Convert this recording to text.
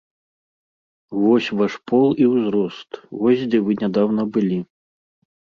Вось ваш пол і ўзрост, вось дзе вы нядаўна былі.